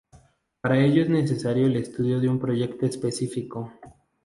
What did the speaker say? Para ello es necesario el estudio de un proyecto específico.